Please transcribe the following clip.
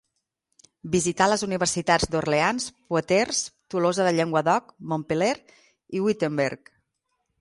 Visità les universitats d'Orleans, Poitiers, Tolosa de Llenguadoc, Montpeller i Wittenberg.